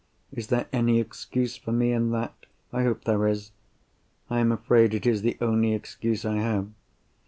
Is there any excuse for me, in that? I hope there is—I am afraid it is the only excuse I have.